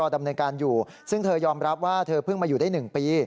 ดำเนินการอยู่ซึ่งเธอยอมรับว่าเธอเพิ่งมาอยู่ได้๑ปี